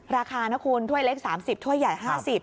ราคานะคุณถ้วยเล็ก๓๐ถ้วยใหญ่๕๐บาท